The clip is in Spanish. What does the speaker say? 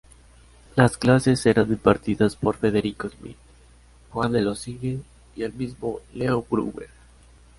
Las clases eran impartidas por Federico Smith, Juan Elósegui y el mismo Leo Brouwer.